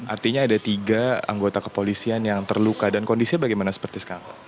artinya ada tiga anggota kepolisian yang terluka dan kondisinya bagaimana seperti sekarang